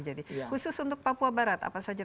jadi khusus untuk papua barat apa saja